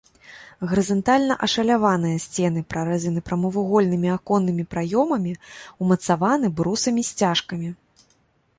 Гарызантальна ашаляваныя сцены прарэзаны прамавугольнымі аконнымі праёмамі, умацаваны брусамі-сцяжкамі.